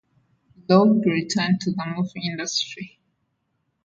Ploog returned to the movie industry.